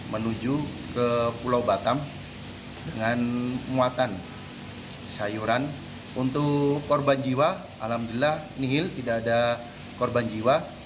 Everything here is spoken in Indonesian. menuju ke pulau batam dengan muatan sayuran untuk korban jiwa alhamdulillah nihil tidak ada korban jiwa